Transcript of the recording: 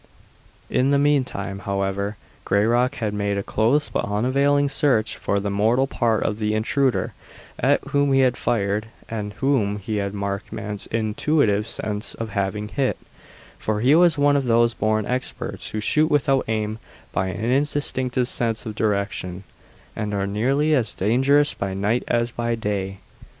In the mean time, however, Grayrock had made a close but unavailing search for the mortal part of the intruder at whom he had fired, and whom he had a marksman's intuitive sense of having hit; for he was one of those born experts who shoot without aim by an instinctive sense of direction, and are nearly as dangerous by night as by day.